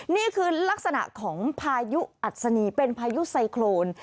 นี่คือลักษณะของพายุอัศนีเป็นพายุไซโครน